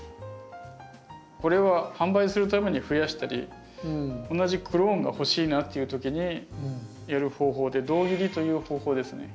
これは販売するためにふやしたり同じクローンが欲しいなっていう時にやる方法で「胴切り」という方法ですね。